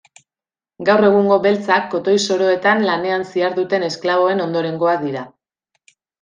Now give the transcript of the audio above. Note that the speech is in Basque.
Gaur egungo beltzak kotoi soroetan lanean ziharduten esklaboen ondorengoak dira.